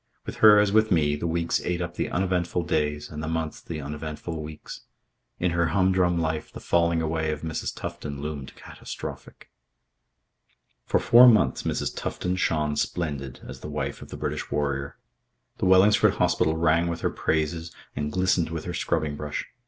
With her as with me, the weeks ate up the uneventful days and the months the uneventful weeks. In her humdrum life the falling away of Mrs. Tufton loomed catastrophic. For four months Mrs. Tufton shone splendid as the wife of the British warrior. The Wellingsford Hospital rang with her praises and glistened with her scrubbing brush.